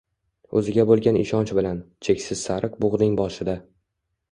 O'ziga bo'lgan ishonch bilan, cheksiz sariq bug'ning boshida.